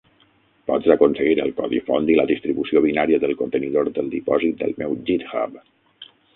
Pots aconseguir el codi font i la distribució binària del contenidor del dipòsit del meu github.